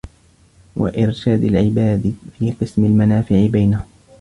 وَإِرْشَادِ الْعِبَادِ فِي قَسْمِ الْمَنَافِعِ بَيْنَهُمْ